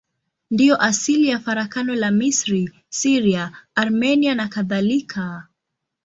Ndiyo asili ya farakano la Misri, Syria, Armenia nakadhalika.